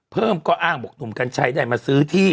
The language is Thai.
เพิ่มก็อ้างบอกหนุ่มกัญชัยได้มาซื้อที่